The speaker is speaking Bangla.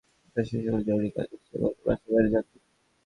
কথা শেষ হলে জরুরি কাজ আছে বলে বাসার বাইরে যান তিনি।